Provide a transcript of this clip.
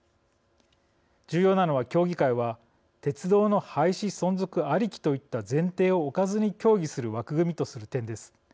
重要なのは協議会は鉄道の廃止存続ありきといった前提を置かずに協議する枠組みとする点です。